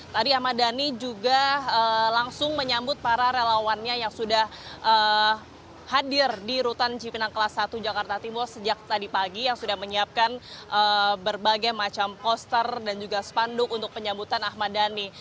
tadi ahmad dhani juga langsung menyambut para relawannya yang sudah hadir di rutan cipinang kelas satu jakarta timur sejak tadi pagi yang sudah menyiapkan berbagai macam poster dan juga spanduk untuk penyambutan ahmad dhani